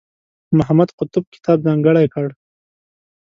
محمد قطب کتاب ځانګړی کړی.